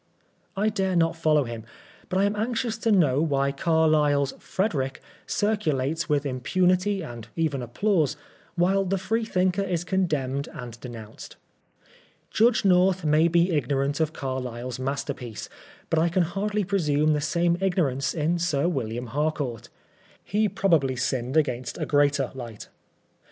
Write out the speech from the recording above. I dare not follow him ; but I am anxious to know why Carlyle's "Frederick" circulates with impunity and even applause, while the Freethinker is coademned and denounced. Judge North may be ignorant of Carlyle's masterpiece, but I can hardly presume the same ignorance in Sir William Harcoart. He probably Binned against a greater light.